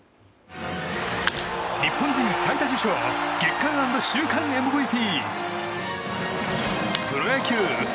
日本人最多受賞月間＆週間 ＭＶＰ。